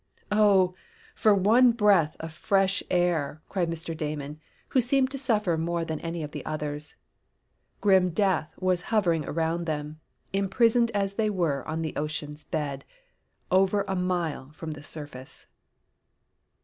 "Oh, for one breath of fresh air!" cried Mr. Damon, who seemed to suffer more than any of the others. Grim death was hovering around them, imprisoned as they were on the ocean's bed, over a mile from the surface.